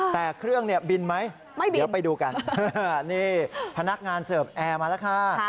แต่เครื่องเนี่ยบินไหมเดี๋ยวไปดูกันนี่พนักงานเสิร์ฟแอร์มาแล้วค่ะ